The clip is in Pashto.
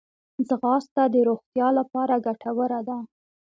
ځغاسته د روغتیا لپاره ګټوره ده